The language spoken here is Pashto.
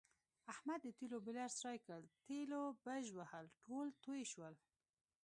احمد د تېلو بیلر سوری کړ، تېلو بژوهل ټول تویې شول.